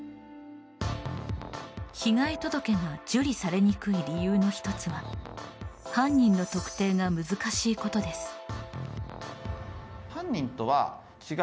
被害届が受理されにくい理由の１つは犯人の特定が難しいことです。